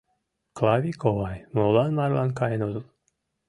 — Клави ковай, молан марлан каен отыл?